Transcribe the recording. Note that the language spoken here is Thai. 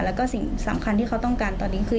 แล้วก็สิ่งสำคัญที่เขาต้องการตอนนี้คือ